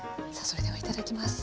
それでは頂きます。